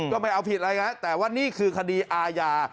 ก็ไม่เอาผิดอะไรนะแต่ว่านี่คือคดีอาญา